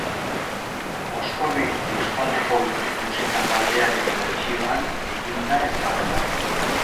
Oskorri euskal folk musika taldearen bertsioan egin da ezaguna.